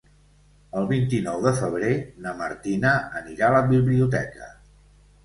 El vint-i-nou de febrer na Martina anirà a la biblioteca.